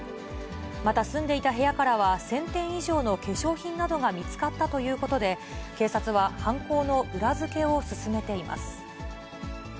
また、住んでいた部屋からは、１０００点以上の化粧品などが見つかったということで、警察は犯行の裏付けを進めています。